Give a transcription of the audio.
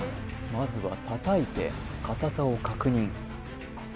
まずは叩いて硬さを確認